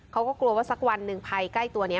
เขาก็กลัวว่าสักวันหนึ่งภัยใกล้ตัวนี้